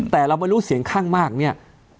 แต่เราไม่รู้เสียงข้างมากเนี่ย